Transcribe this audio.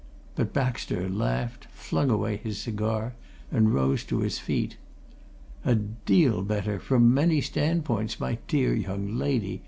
But Baxter laughed, flung away his cigar, and rose to his feet. "A deal better from many standpoints, my dear young lady!"